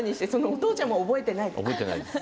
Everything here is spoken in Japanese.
お父ちゃんも覚えてない。